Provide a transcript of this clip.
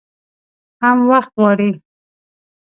هم وخت غواړي .